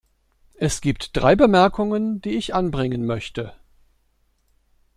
Es gibt drei Bemerkungen, die ich anbringen möchte.